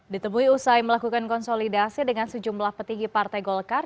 ditemui usai melakukan konsolidasi dengan sejumlah petinggi partai golkar